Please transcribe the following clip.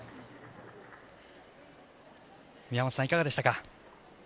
宮本さん、いかがでしたか。